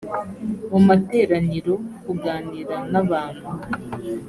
mu materaniro kuganira n abantu